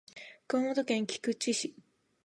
熊本県菊池市